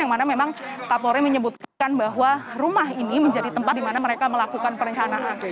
yang mana memang kapolri menyebutkan bahwa rumah ini menjadi tempat di mana mereka melakukan perencanaan